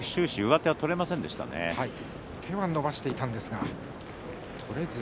手は伸ばしていたんですが。